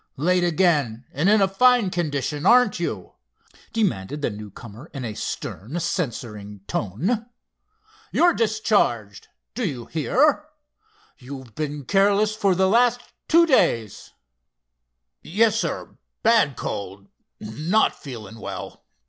"Late again, and in a fine condition, aren't you?" demanded the newcomer in a stern, censuring tone. "You're discharged, do you hear? You've been careless for the last two days." "Yes, sir—bad cold. Not feelin' well.